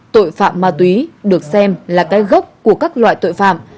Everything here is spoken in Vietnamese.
tội phạm ma túy được xem là cái gốc của các loại tội phạm